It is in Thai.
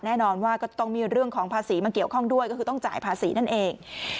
แน่นอนว่าก็ต้องมีเรื่องของภาษีมาเกี่ยวข้องด้วยก็คือต้องจ่ายภาษีนั่นเอง